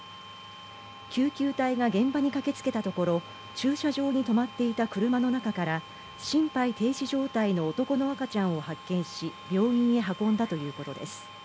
救急隊が現場に駆けつけたところ、駐車場に止まっていた車の中から心肺停止状態の男の赤ちゃんを発見し、病院に運んだということです。